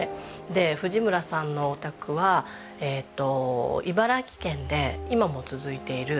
で藤村さんのお宅は茨城県で今も続いている酒蔵を。